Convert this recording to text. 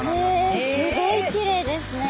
すごいきれいですね。